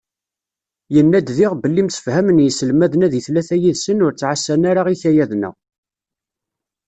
Yenna-d diɣ belli msefhamen yiselmaden-a deg tlata yid-sen ur ttɛassan ara ikayaden-a.